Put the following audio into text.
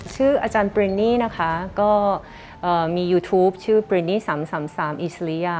ชื่ออาจารย์ปรินนี่นะคะก็มียูทูปชื่อปรินนี่๓๓อิสริยะ